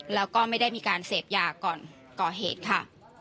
แล้วก็ไม่ได้มีการเสพยาก่อนก่อเหตุค่ะ